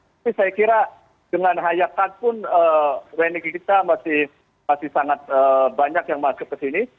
tapi saya kira dengan hayakat pun wni kita masih sangat banyak yang masuk ke sini